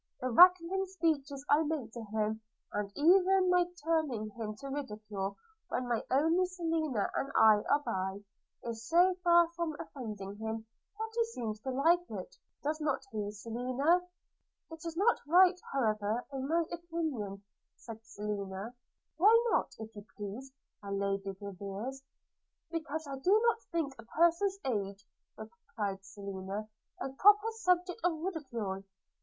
The rattling speeches I make to him, and even my turning him into ridicule when only Selina and I are by, is so far from offending him, that he seems to like it. – Does not he, Selina?' 'It is not right, however, in my opinion,' said Selina. 'Why not, if you please, my Lady Graveairs?' 'Because I do not think a person's age,' replied Selina, 'a proper subject of ridicule.'